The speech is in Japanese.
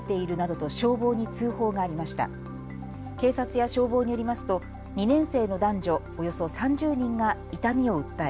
警察や消防によりますと２年生の男女、およそ３０人が痛みを訴え